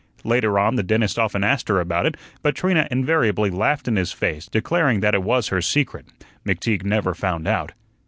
Later on, the dentist often asked her about it, but Trina invariably laughed in his face, declaring that it was her secret. McTeague never found out.